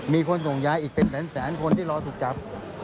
มีคนส่งยาอีกเป็นแสนคนที่รอถูกจับ